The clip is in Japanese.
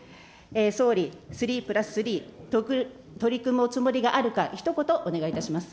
総理、３＋３、取り組むおつもりがあるか、ひと言お願いいたします。